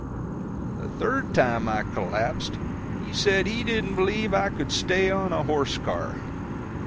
The third time I collapsed he said he didn't believe I could stay on a horse car.